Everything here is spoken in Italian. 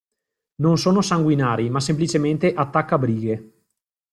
Non sono sanguinari ma semplicemente attaccabrighe.